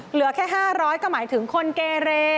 เหลือแค่๕๐๐ก็หมายถึงคนเกเร